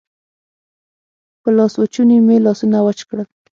په لاسوچوني مې لاسونه وچ کړل.